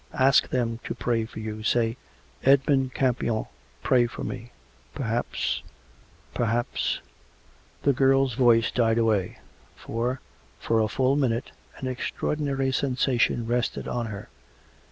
Ask them to pray for you. ... Say, Edmund Campion pray for me. Perhaps ... perhaps " The girl's voice died away. 190 COME BACK! COME ROPE! For, for a full minute, an extraordinary sensation rested on her.